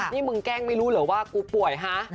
นี่มึงแกล้งไม่รู้เหรอว่ากูป่วยฮะ